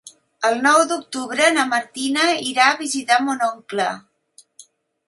El nou d'octubre na Martina irà a visitar mon oncle.